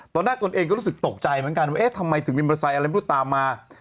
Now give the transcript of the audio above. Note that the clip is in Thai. ตนเองก็รู้สึกตกใจเหมือนกันว่าเอ๊ะทำไมถึงมีมอเตอร์ไซค์อะไรไม่รู้ตามมา